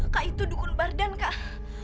kak itu dukun bardhan kak